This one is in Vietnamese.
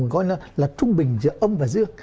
gọi là trung bình giữa âm và dương